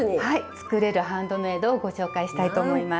作れるハンドメイドをご紹介したいと思います。